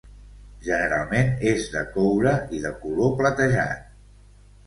Generalment és de coure i de color platejat.